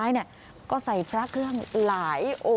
โอ้โหโอ้โหโอ้โหโอ้โหโอ้โหโอ้โห